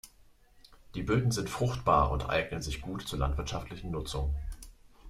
Die Böden sind fruchtbar und eignen sich gut zur landwirtschaftlichen Nutzung.